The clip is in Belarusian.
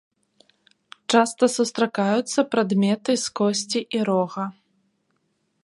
Часта сустракаюцца прадметы з косці і рога.